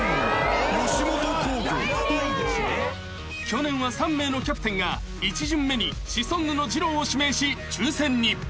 ［去年は３名のキャプテンが１巡目にシソンヌのじろうを指名し抽選に］